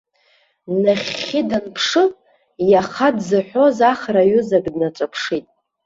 Нахьхьи данԥшы, иаха дзыҳәоз ахра аҩызак днаҿаԥшит.